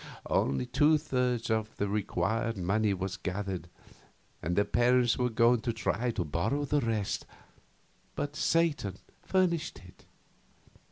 Only two thirds of the required money was gathered, and the parents were going to try to borrow the rest, but Satan furnished it.